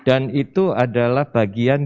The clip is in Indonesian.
dan itu adalah bagian